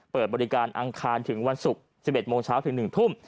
เปิดบริการอังคารถึงวันศุกร์๑๑โมงเช้าถึง๑ทุ่ม